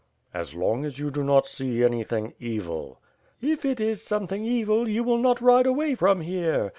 "As long as you do not see anything evil." "If it is something evil you will not ride away from here.